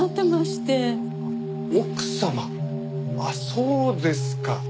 あっそうですか。